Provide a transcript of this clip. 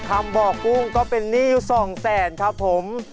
ทำบ่อกุ้งก็เป็นนี่๒แสนครับผม